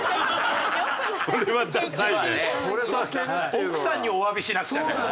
奥さんにおわびしなくちゃだよな。